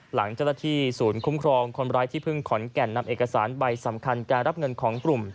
หลังเจ้าหน้าที่ศูนย์คุ้มครองคนร้ายที่พึ่งขอนแก่นนำเอกสารใบสำคัญการรับเงินของกลุ่ม